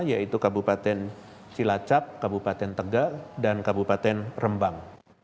yaitu kabupaten cilacap kabupaten tegak dan kabupaten rembang